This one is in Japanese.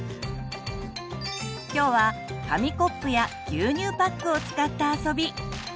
今日は紙コップや牛乳パックを使った遊び。